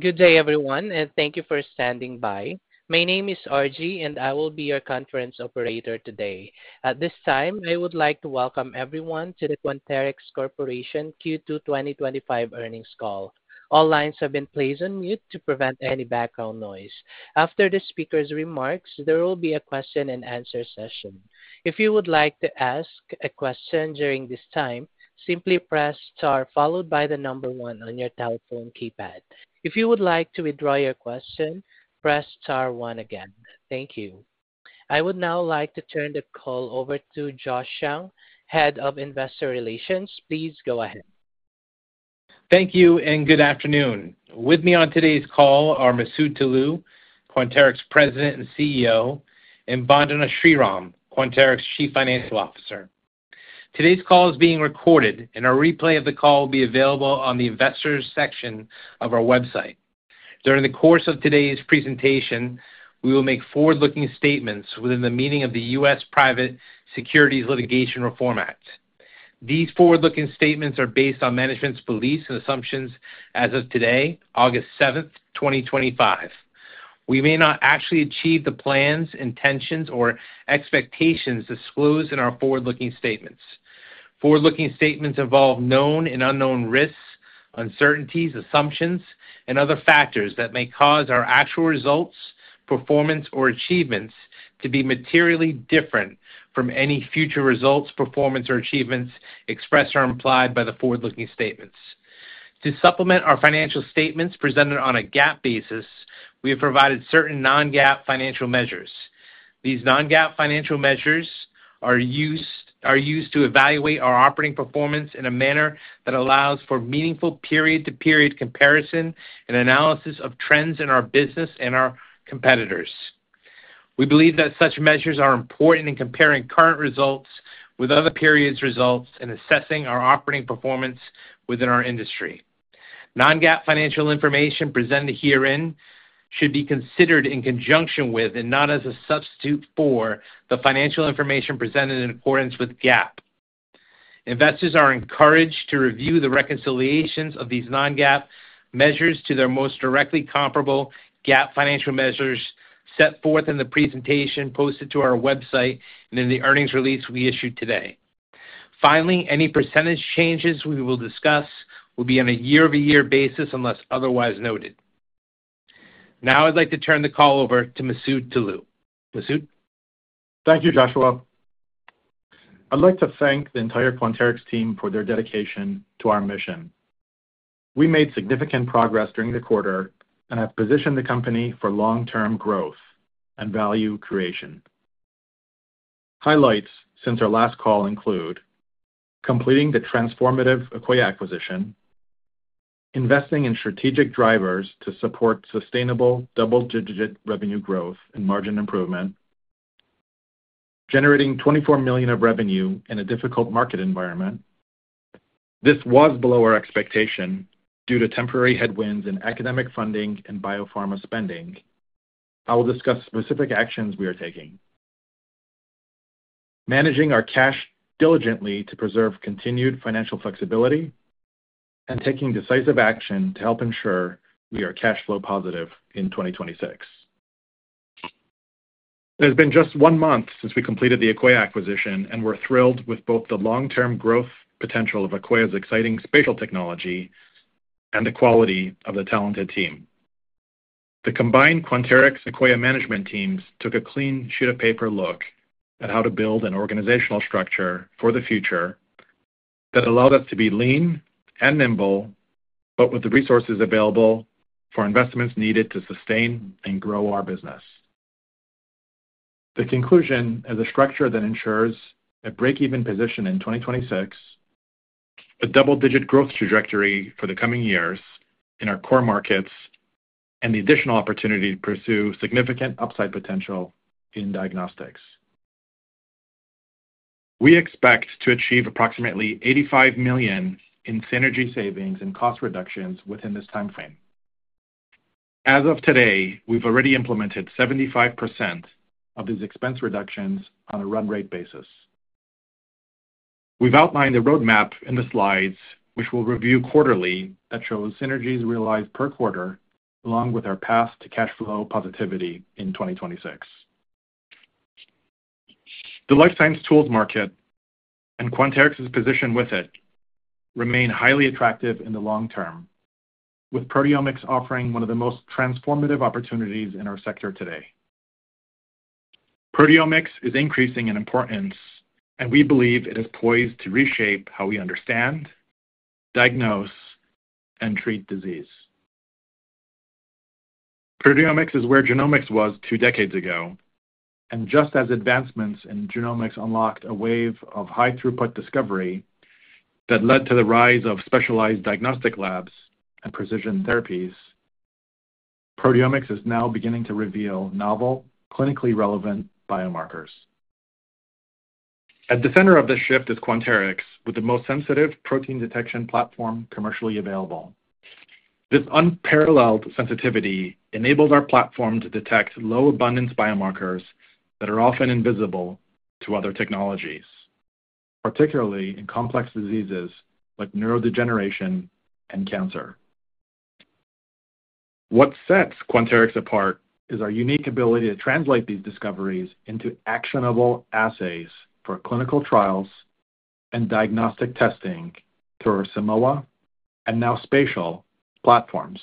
Good day, everyone, and thank you for standing by. My name is Arji, and I will be your conference operator today. At this time, I would like to welcome everyone to the Quanterix Corporation Q2 2025 earnings call. All lines have been placed on mute to prevent any background noise. After the speaker's remarks, there will be a question and answer session. If you would like to ask a question during this time, simply press Star followed by the number one on your telephone keypad. If you would like to withdraw your question, press star one again. Thank you. I would now like to turn the call over to Joshua Young, Head of Investor Relations. Please go ahead. Thank you, and good afternoon. With me on today's call are Masoud Toloue, Quanterix President and CEO, and Vandana Sriram, Quanterix Chief Financial Officer. Today's call is being recorded, and a replay of the call will be available on the Investors section of our website. During the course of today's presentation, we will make forward-looking statements within the meaning of the U.S. Private Securities Litigation Reform Act. These forward-looking statements are based on management's beliefs and assumptions as of today, August 7, 2025. We may not actually achieve the plans, intentions, or expectations disclosed in our forward-looking statements. Forward-looking statements involve known and unknown risks, uncertainties, assumptions, and other factors that may cause our actual results, performance, or achievements to be materially different from any future results, performance, or achievements expressed or implied by the forward-looking statements. To supplement our financial statements presented on a GAAP basis, we have provided certain non-GAAP financial measures. These non-GAAP financial measures are used to evaluate our operating performance in a manner that allows for meaningful period-to-period comparison and analysis of trends in our business and our competitors. We believe that such measures are important in comparing current results with other periods' results and assessing our operating performance within our industry. Non-GAAP financial information presented herein should be considered in conjunction with and not as a substitute for the financial information presented in accordance with GAAP. Investors are encouraged to review the reconciliations of these non-GAAP measures to their most directly comparable GAAP financial measures set forth in the presentation posted to our website and in the earnings release we issued today. Finally, any % changes we will discuss will be on a year-over-year basis unless otherwise noted. Now, I'd like to turn the call over to Masoud Toloue. Masoud? Thank you, Joshua. I'd like to thank the entire Quanterix team for their dedication to our mission. We made significant progress during the quarter and have positioned the company for long-term growth and value creation. Highlights since our last call include: completing the transformative Akoya acquisition, investing in strategic drivers to support sustainable double-digit revenue growth and margin improvement, generating $24 million of revenue in a difficult market environment. This was below our expectation due to temporary headwinds in academic funding and biopharma spending. I will discuss specific actions we are taking: managing our cash diligently to preserve continued financial flexibility and taking decisive action to help ensure we are cash flow positive in 2026. It has been just one month since we completed the Akoya acquisition, and we're thrilled with both the long-term growth potential of Akoya's exciting spatial biology technology and the quality of the talented team. The combined Quanterix-Akoya management teams took a clean sheet of paper look at how to build an organizational structure for the future that allowed us to be lean and nimble, but with the resources available for investments needed to sustain and grow our business. The conclusion is a structure that ensures a break-even position in 2026, a double-digit growth trajectory for the coming years in our core markets, and the additional opportunity to pursue significant upside potential in diagnostics. We expect to achieve approximately $85 million in synergy savings and cost reductions within this timeframe. As of today, we've already implemented 75% of these expense reductions on a run-rate basis. We've outlined a roadmap in the slides, which we'll review quarterly, that shows synergies realized per quarter, along with our path to cash flow positivity in 2026. The life science tools market and Quanterix's position with it remain highly attractive in the long term, with proteomics offering one of the most transformative opportunities in our sector today. Proteomics is increasing in importance, and we believe it is poised to reshape how we understand, diagnose, and treat disease. Proteomics is where genomics was two decades ago, and just as advancements in genomics unlocked a wave of high-throughput discovery that led to the rise of specialized diagnostic labs and precision therapies, proteomics is now beginning to reveal novel, clinically relevant biomarkers. At the center of this shift is Quanterix, with the most sensitive protein detection platform commercially available. This unparalleled sensitivity enables our platform to detect low-abundance biomarkers that are often invisible to other technologies, particularly in complex diseases like neurodegeneration and cancer. What sets Quanterix apart is our unique ability to translate these discoveries into actionable assays for clinical trials and diagnostic testing through our Simoa and now spatial platforms.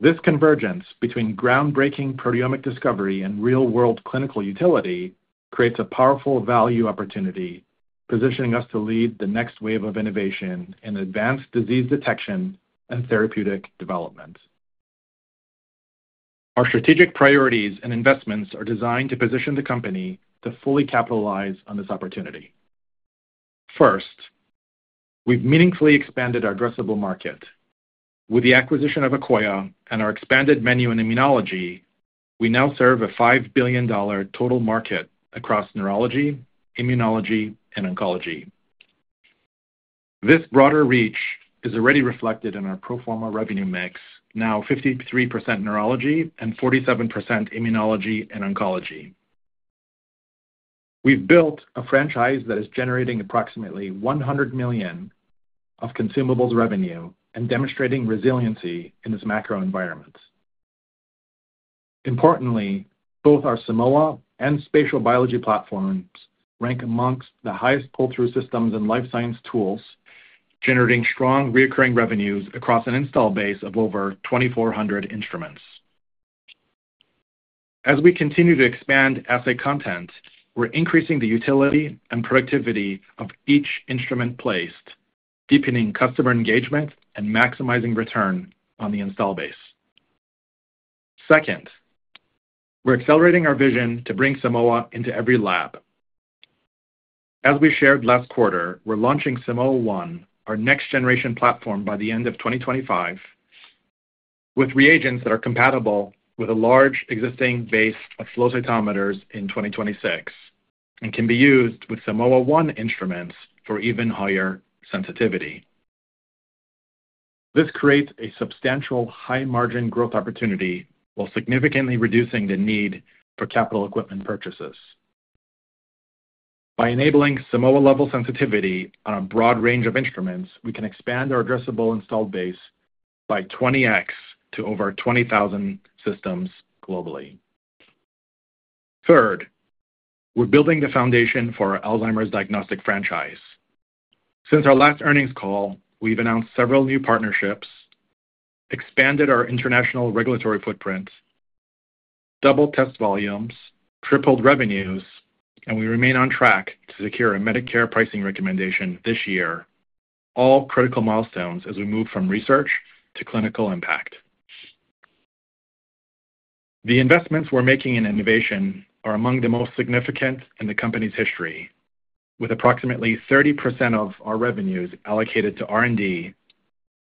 This convergence between groundbreaking proteomic discovery and real-world clinical utility creates a powerful value opportunity, positioning us to lead the next wave of innovation in advanced disease detection and therapeutic development. Our strategic priorities and investments are designed to position the company to fully capitalize on this opportunity. First, we've meaningfully expanded our addressable market. With the acquisition of Akoya Biosciences and our expanded menu in immunology, we now serve a $5 billion total market across neurology, immunology, and oncology. This broader reach is already reflected in our pro forma revenue mix, now 53% neurology and 47% immunology and oncology. We've built a franchise that is generating approximately $100 million of consumables revenue and demonstrating resiliency in this macro environment. Importantly, both our Simoa and spatial biology platforms rank amongst the highest pull-through systems in life science tools, generating strong recurring revenues across an installed base of over 2,400 instruments. As we continue to expand assay content, we're increasing the utility and productivity of each instrument placed, deepening customer engagement and maximizing return on the installed base. Second, we're accelerating our vision to bring Simoa into every lab. As we shared last quarter, we're launching Simoa1, our next-generation platform, by the end of 2025, with reagents that are compatible with a large existing base of flow cytometers in 2026 and can be used withSimoa1 instruments for even higher sensitivity. This creates a substantial high margin growth opportunity while significantly reducing the need for capital equipment purchases. By enabling Simoa-level sensitivity on a broad range of instruments, we can expand our addressable installed base by 20x to over 20,000 systems globally. Third, we're building the foundation for our Alzheimer's diagnostic franchise. Since our last earnings call, we've announced several new partnerships, expanded our international regulatory footprint, doubled test volumes, tripled revenues, and we remain on track to secure a Medicare pricing recommendation this year, all critical milestones as we move from research to clinical impact. The investments we're making in innovation are among the most significant in the company's history, with approximately 30% of our revenues allocated to R&D,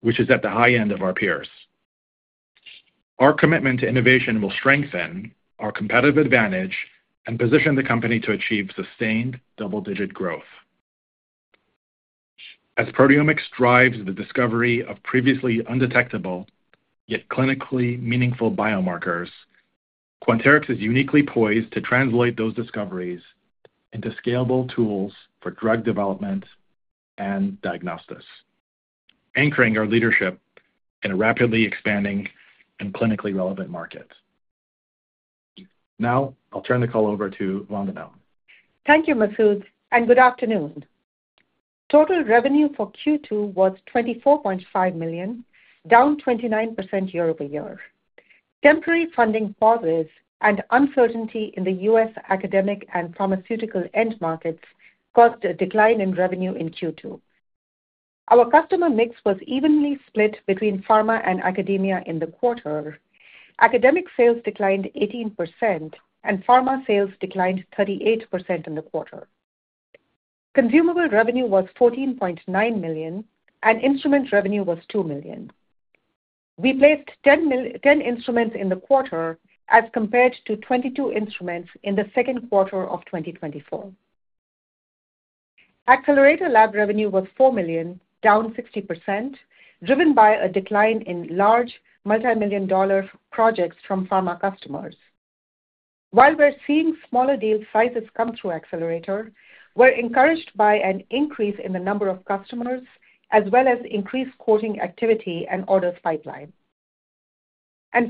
which is at the high end of our peers. Our commitment to innovation will strengthen our competitive advantage and position the company to achieve sustained double-digit growth. As proteomics drives the discovery of previously undetectable yet clinically meaningful biomarkers, Quanterix is uniquely poised to translate those discoveries into scalable tools for drug development and diagnostics, anchoring our leadership in a rapidly expanding and clinically relevant market. Now, I'll turn the call over to Vandana. Thank you, Masoud, and good afternoon. Total revenue for Q2 was $24.5 million, down 29% year-over-year. Temporary funding pauses and uncertainty in the U.S. academic and pharmaceutical end markets caused a decline in revenue in Q2. Our customer mix was evenly split between pharma and academia in the quarter. Academic sales declined 18%, and pharma sales declined 38% in the quarter. Consumable revenue was $14.9 million, and instrument revenue was $2 million. We placed 10 instruments in the quarter as compared to 22 instruments in the second quarter of 2024. Accelerator lab revenue was $4 million, down 60%, driven by a decline in large multimillion-dollar projects from pharma customers. While we're seeing smaller deal sizes come through Accelerator, we're encouraged by an increase in the number of customers as well as increased quoting activity and orders pipeline.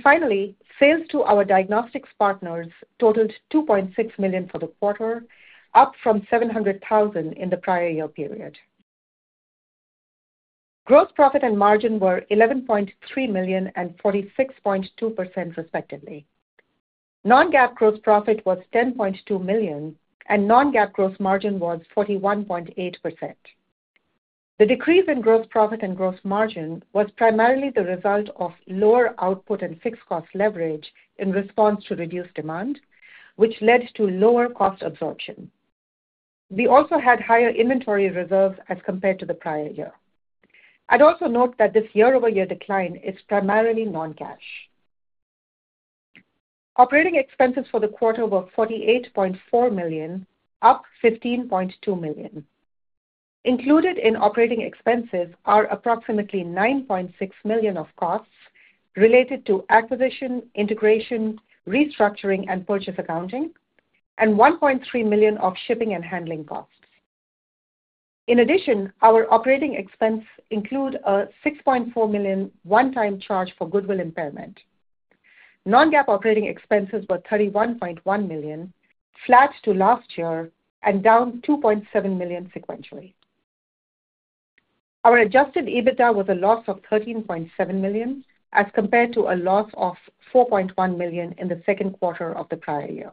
Finally, sales to our diagnostics partners totaled $2.6 million for the quarter, up from $700,000 in the prior year period. Gross profit and margin were $11.3 million and 46.2% respectively. Non-GAAP gross profit was $10.2 million, and non-GAAP gross margin was 41.8%. The decrease in gross profit and gross margin was primarily the result of lower output and fixed cost leverage in response to reduced demand, which led to lower cost absorption. We also had higher inventory reserves as compared to the prior year. I'd also note that this year-over-year decline is primarily non-cash. Operating expenses for the quarter were $48.4 million, up $15.2 million. Included in operating expenses are approximately $9.6 million of costs related to acquisition, integration, restructuring, and purchase accounting, and $1.3 million of shipping and handling costs. In addition, our operating expenses include a $6.4 million one-time charge for goodwill impairment. Non-GAAP operating expenses were $31.1 million, flat to last year, and down $2.7 million sequentially. Our adjusted EBITDA was a loss of $13.7 million as compared to a loss of $4.1 million in the second quarter of the prior year.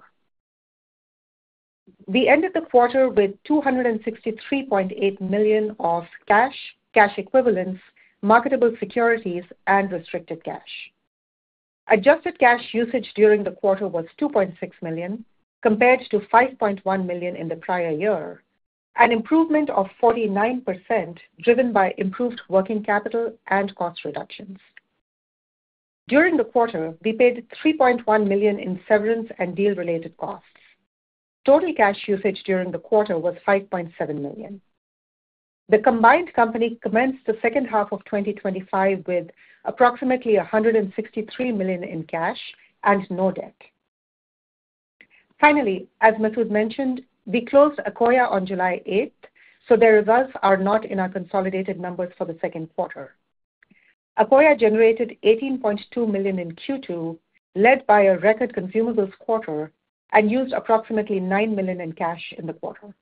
We ended the quarter with $263.8 million of cash, cash equivalents, marketable securities, and restricted cash. Adjusted cash usage during the quarter was $2.6 million compared to $5.1 million in the prior year, an improvement of 49% driven by improved working capital and cost reductions. During the quarter, we paid $3.1 million in severance and deal-related costs. Total cash usage during the quarter was $5.7 million. The combined company commenced the second half of 2025 with approximately $163 million in cash and no debt. Finally, as Masoud mentioned, we closed Akoya on July 8th, so the results are not in our consolidated numbers for the second quarter. Akoya generated $18.2 million in Q2, led by a record consumables quarter, and used approximately $9 million in cash in the quarter.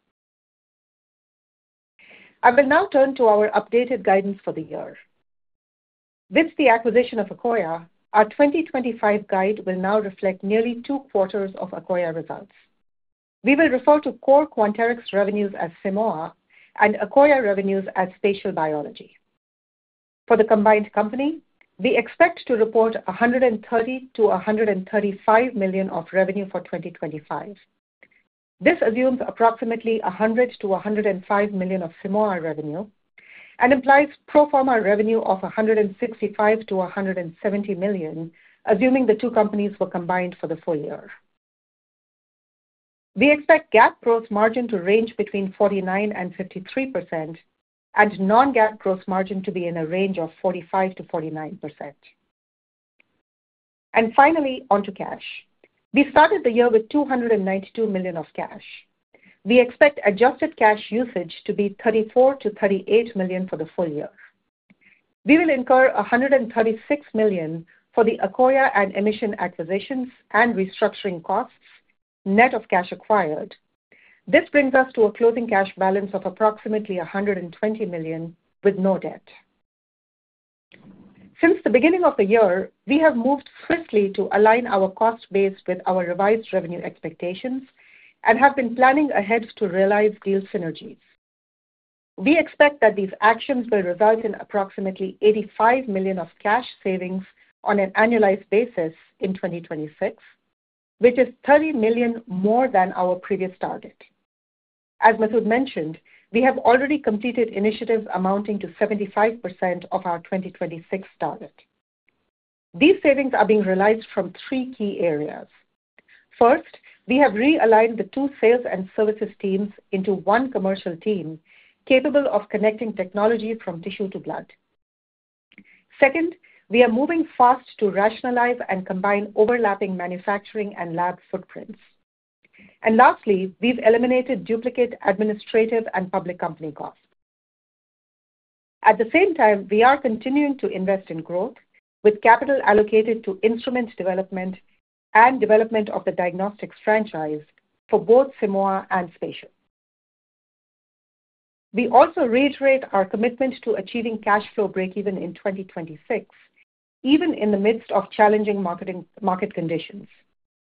I will now turn to our updated guidance for the year. With the acquisition of Akoya, our 2025 guide will now reflect nearly two quarters of Akoya results. We will refer to core Quanterix revenues as Simoa and Akoya revenues as spatial biology. For the combined company, we expect to report $130-$135 million of revenue for 2025. This assumes approximately $100-$105 million of Simoa revenue and implies pro forma revenue of $165-$170 million, assuming the two companies were combined for the full year. We expect GAAP gross margin to range between 49% and 53%, and non-GAAP gross margin to be in a range of 45%-49%. Finally, onto cash. We started the year with $292 million of cash. We expect adjusted cash usage to be $34 to $38 million for the full year. We will incur $136 million for the Akoya and Emission acquisitions and restructuring costs, net of cash acquired. This brings us to a closing cash balance of approximately $120 million with no debt. Since the beginning of the year, we have moved swiftly to align our cost base with our revised revenue expectations and have been planning ahead to realize deal synergies. We expect that these actions will result in approximately $85 million of cash savings on an annualized basis in 2026, which is $30 million more than our previous target. As Masoud mentioned, we have already completed initiatives amounting to 75% of our 2026 target. These savings are being realized from three key areas. First, we have realigned the two sales and services teams into one commercial team capable of connecting technology from tissue to blood. Second, we are moving fast to rationalize and combine overlapping manufacturing and lab footprints. Lastly, we've eliminated duplicate administrative and public company costs. At the same time, we are continuing to invest in growth, with capital allocated to instrument development and development of the diagnostics franchise for both Simoa and spatial. We also reiterate our commitment to achieving cash flow break-even in 2026, even in the midst of challenging market conditions.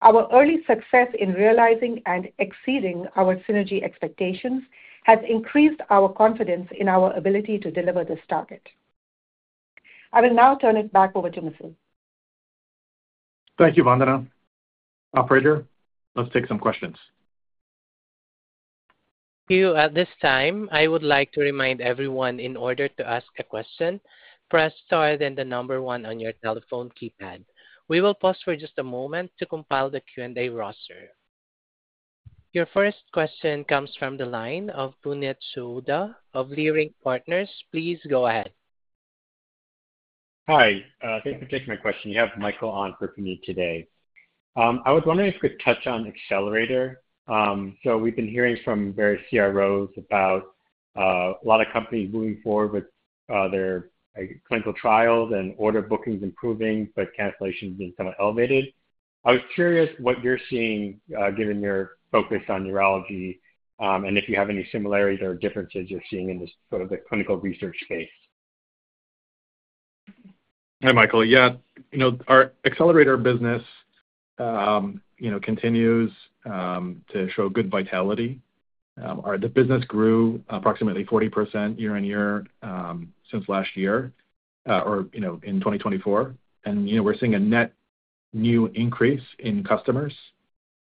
Our early success in realizing and exceeding our synergy expectations has increased our confidence in our ability to deliver this target. I will now turn it back over to Masoud. Thank you, Vandana. Operator, let's take some questions. Thank you. At this time, I would like to remind everyone in order to ask a question, press Star then the number one on your telephone keypad. We will pause for just a moment to compile the Q&A roster. Your first question comes from the line of Puneet Souda of Leerink Partners. Please go ahead. Hi. Thanks for taking my question. You have Michael on for Puneet today. I was wondering if you could touch on Accelerator lab services. We've been hearing from various CROs about a lot of companies moving forward with their clinical trials and order bookings improving, but cancellations being somewhat elevated. I was curious what you're seeing given your focus on neurology and if you have any similarities or differences you're seeing in this sort of the clinical research space. Hi, Michael. Yeah, you know, our Accelerator lab services business, you know, continues to show good vitality. The business grew approximately 40% year-on-year since last year, or, you know, in 2024. We're seeing a net new increase in customers,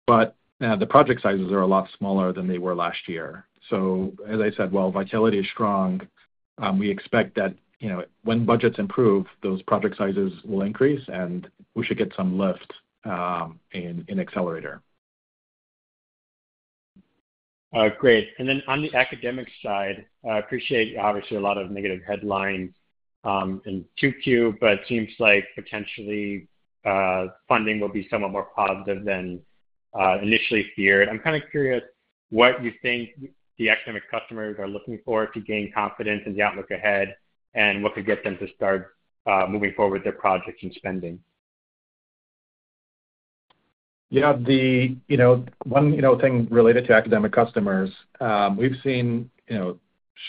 but the project sizes are a lot smaller than they were last year. As I said, while vitality is strong, we expect that, you know, when budgets improve, those project sizes will increase, and we should get some lift in accelerator. Great. On the academic side, I appreciate obviously a lot of negative headlines in Q2, but it seems like potentially funding will be somewhat more positive than initially feared. I'm kind of curious what you think the academic customers are looking for to gain confidence in the outlook ahead and what could get them to start moving forward with their projects and spending. Yeah, one thing related to academic customers, we've seen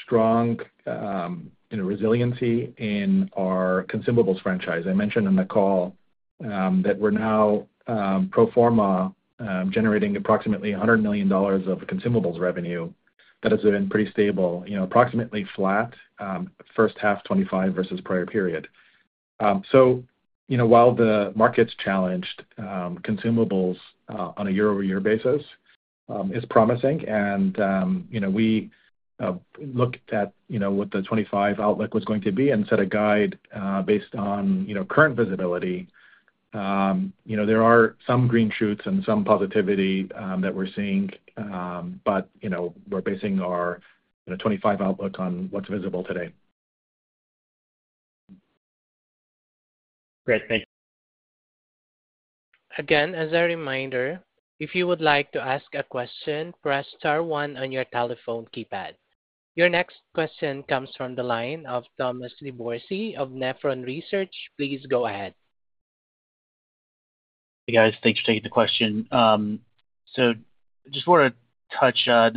strong resiliency in our consumables franchise. I mentioned in the call that we're now pro forma generating approximately $100 million of consumables revenue that has been pretty stable, approximately flat first half 2025 versus prior period. While the market's challenged, consumables on a year-over-year basis is promising, and we looked at what the 2025 outlook was going to be and set a guide based on current visibility. There are some green shoots and some positivity that we're seeing, but we're basing our 2025 outlook on what's visible today. Great. Thank you. Again, as a reminder, if you would like to ask a question, press *1 on your telephone keypad. Your next question comes from the line of Thomas Liborsi of Nephron Research. Please go ahead. Hey, guys. Thanks for taking the question. I just want to touch on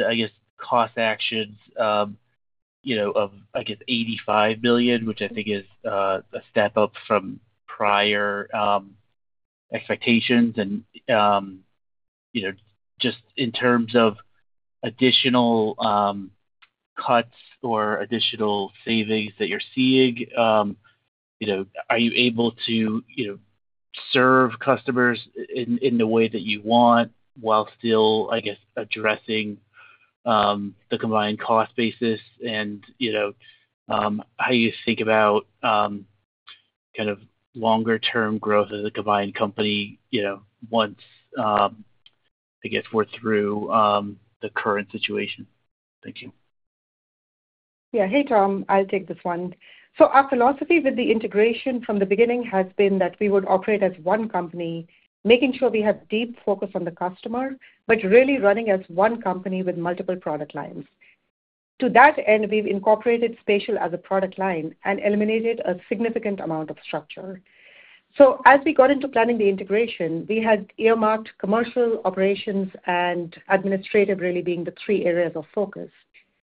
cost actions, you know, of, I guess, $85 million, which I think is a step up from prior expectations. In terms of additional cuts or additional savings that you're seeing, are you able to serve customers in the way that you want while still addressing the combined cost basis? How do you think about kind of longer-term growth as a combined company once, I guess, we're through the current situation? Thank you. Yeah. Hey, Tom. I'll take this one. Our philosophy with the integration from the beginning has been that we would operate as one company, making sure we have deep focus on the customer, but really running as one company with multiple product lines. To that end, we've incorporated spatial as a product line and eliminated a significant amount of structure. As we got into planning the integration, we had earmarked commercial operations and administrative really being the three areas of focus.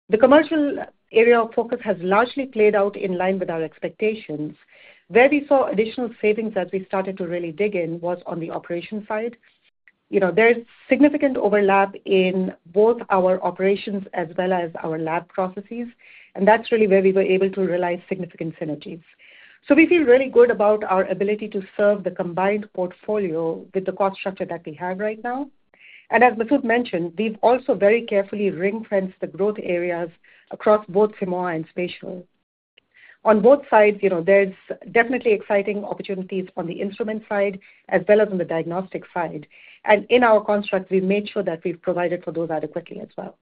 The commercial area of focus has largely played out in line with our expectations. Where we saw additional savings as we started to really dig in was on the operations side. There's significant overlap in both our operations as well as our lab processes, and that's really where we were able to realize significant synergies. We feel really good about our ability to serve the combined portfolio with the cost structure that we have right now. As Masoud mentioned, we've also very carefully ring-fenced the growth areas across both Simoa1 and spatial. On both sides, there's definitely exciting opportunities on the instrument side as well as on the diagnostic side. In our construct, we've made sure that we've provided for those adequately as well.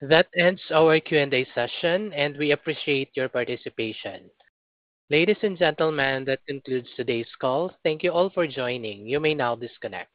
That ends our Q&A session, and we appreciate your participation. Ladies and gentlemen, that concludes today's call. Thank you all for joining. You may now disconnect.